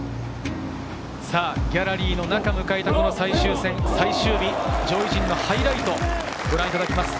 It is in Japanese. ギャラリーの中で迎えた最終戦、最終日、上位陣のハイライトです。